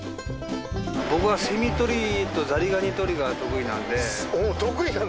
僕はセミ捕りとザリガニ取り得意なの？